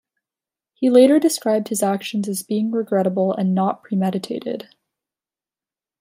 He later described his actions as being regrettable and not premeditated.